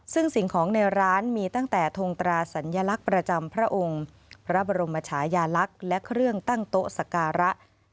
ซึ่งสิ่งของในร้านมีตั้งแต่ทงตราสัญลักษณ์ประจำพระองค์พระบรมชายาลักษณ์และเครื่องตั้งโต๊ะสการะ